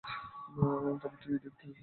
তবে দুই দেখতে পাবি না।